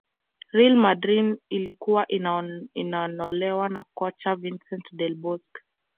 real madrid ilikuwa inanolewa na kocha vincent del bosque